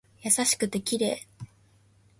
優しくて綺麗